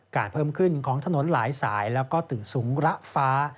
เพิ่มขึ้นของถนนหลายสายแล้วก็ตึกสูงระฟ้า